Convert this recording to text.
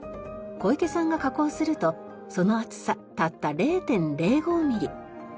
小池さんが加工するとその厚さたった０．０５ミリ。